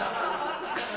クソ。